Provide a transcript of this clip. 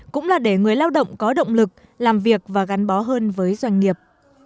cũng là để người lao động có động lực làm việc và gắn bó hơn với doanh nghiệp